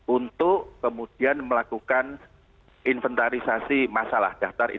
untuk kemudian melakukan inventarisasi masalah daftar